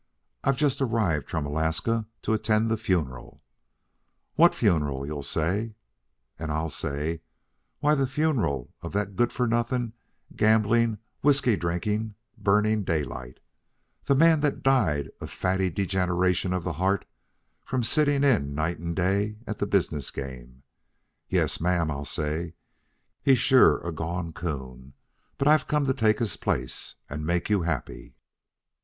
I've just arrived from Alaska to attend the funeral.' 'What funeral?' you'll say. And I'll say, 'Why, the funeral of that good for nothing, gambling, whiskey drinking Burning Daylight the man that died of fatty degeneration of the heart from sitting in night and day at the business game 'Yes ma'am,' I'll say, 'he's sure a gone 'coon, but I've come to take his place and make you happy.